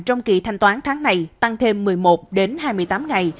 trong kỳ thanh toán tháng này tăng thêm một mươi một đến hai mươi tám ngày